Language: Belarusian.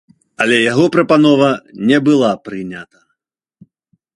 Але яго прапанова не была прынята.